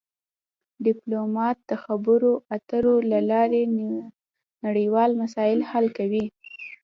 ډیپلومات د خبرو اترو له لارې نړیوال مسایل حل کوي